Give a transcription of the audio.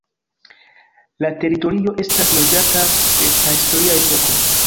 La teritorio estas loĝata de prahistoria epoko.